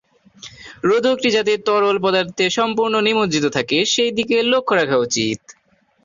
পূর্বে জালালপুর ইউনিয়ন।